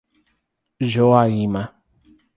Joaíma